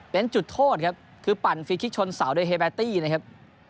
เป็นจุดโทษครับคือปั่นฟรีคลิกชนเสาโดยเฮเบตตี้นะครับ